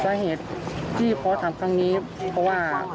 สาเหตุที่พอทำครั้งนี้เพราะว่า